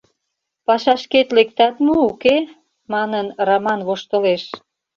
Пашашкет лектат мо, уке? — манын, Раман воштылеш.